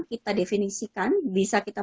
kita definisikan bisa kita